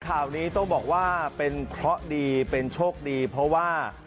ข่าวนี้ต้องบอกว่าเป็นเคราะห์ดีเป็นโชคดีเพราะว่า